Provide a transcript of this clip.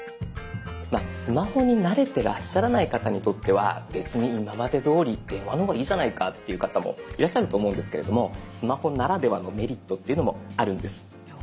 スマホに慣れてらっしゃらない方にとっては別に今までどおり電話の方がいいじゃないかっていう方もいらっしゃると思うんですけれどもスマホならではのメリットっていうのもあるんです。